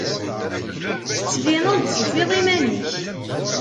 Tettbineḍ-d tufiḍ iman-ik.